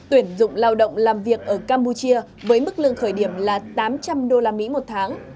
tuyển dụng lao động làm việc ở campuchia với mức lương khởi điểm là tám trăm linh usd một tháng